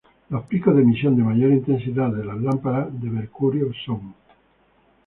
Los picos de emisión de mayor intensidad de las lámparas de mercurio son